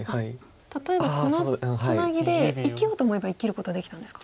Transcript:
例えばこのツナギで生きようと思えば生きることはできたんですか。